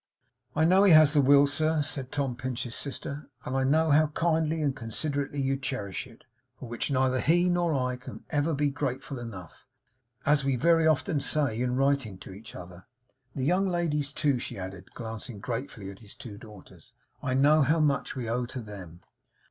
'I know he has the will, sir,' said Tom Pinch's sister, 'and I know how kindly and considerately you cherish it, for which neither he nor I can ever be grateful enough, as we very often say in writing to each other. The young ladies too,' she added, glancing gratefully at his two daughters, 'I know how much we owe to them.